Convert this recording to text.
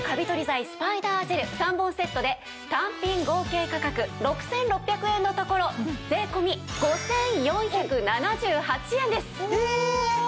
剤スパイダージェル３本セットで単品合計価格６６００円のところ税込５４７８円です。ええーっ！？